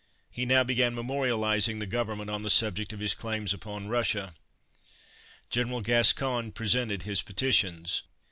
He now began memorializing the government on the subject of his claims upon Russia. General Gascoigne presented his petitions.